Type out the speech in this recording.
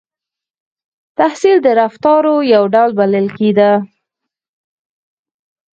• تحصیل د رفتار یو ډول بلل کېده.